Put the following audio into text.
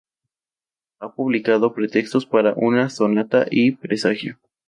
Ha publicado "Pretextos para una sonata" y "Presagio".